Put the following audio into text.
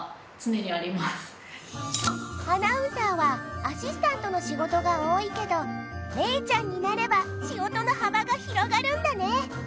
アナウンサーはアシスタントの仕事が多いけどメイちゃんになれば仕事の幅が広がるんだね。